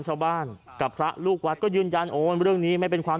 ชาวบ้านกับพระลูกวัดก็ยืนยันโอ้ยเรื่องนี้ไม่เป็นความ